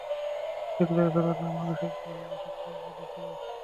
কিন্তু, এখন ওটা মানুষের দেহে বসত গেড়েছে!